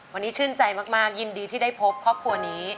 วันนี้ชื่นใจมากยินดีที่ได้พบครอบครัวนี้